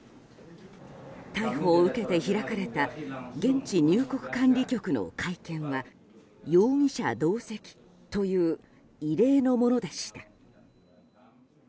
逮捕を受けて開かれた現地入国管理局の会見は容疑者同席という異例のものでした。